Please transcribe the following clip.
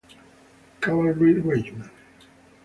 Cavalry Regiment".